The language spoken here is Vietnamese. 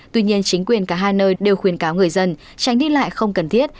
tuy nhiên chính quyền cả hai nơi đều khuyến cáo người dân tránh đi lại không cần thiết